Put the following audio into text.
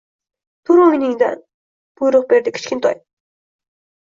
Tur o`rningdan, buyruq berdi Kichkintoy